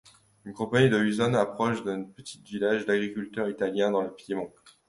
Une compagnie de hussards approche d'un petit village d'agriculteurs italiens dans le Piémont.